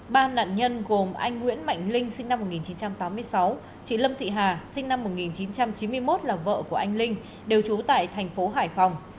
ba nạn nhân gồm anh nguyễn mạnh linh sinh năm một nghìn chín trăm tám mươi sáu chị lâm thị hà sinh năm một nghìn chín trăm chín mươi một là vợ của anh linh đều trú tại thành phố hải phòng